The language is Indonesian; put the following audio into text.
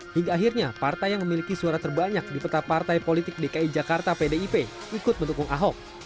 hingga akhirnya partai yang memiliki suara terbanyak di peta partai politik dki jakarta pdip ikut mendukung ahok